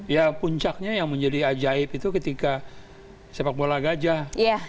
ya puncaknya yang menjadi ajaib itu ketika sepak bola gajah